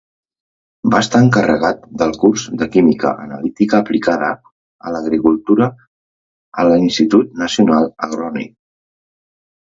Va estar encarregat del curs de Química analítica aplicada a l'agricultura a l'Institut Nacional Agronòmic.